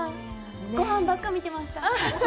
ごはんばっかり見てました。